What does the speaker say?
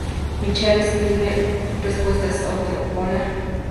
Michael escribe en respuesta otro "hola?".